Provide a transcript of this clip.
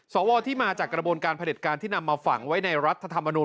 สวที่มาจากกระบวนการผลิตการที่นำมาฝังไว้ในรัฐธรรมนูล